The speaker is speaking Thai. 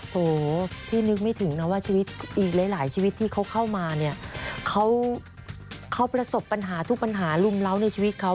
โหพี่นึกไม่ถึงนะว่าชีวิตอีกหลายชีวิตที่เขาเข้ามาเนี่ยเขาประสบปัญหาทุกปัญหาลุมเล้าในชีวิตเขา